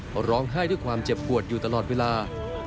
ก็ร้องไห้ด้วยความเจ็บปวดอยู่ตลอดเวลา